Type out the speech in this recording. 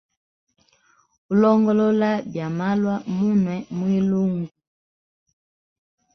Ulongolola byamalwa munwe mwilungu.